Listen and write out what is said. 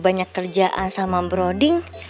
banyak kerjaan sama broding